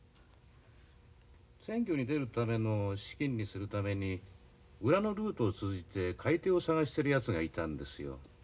・選挙に出るための資金にするために裏のルートを通じて買い手を探してるやつがいたんですよ。